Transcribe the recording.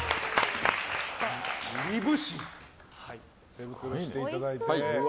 手袋していただいて。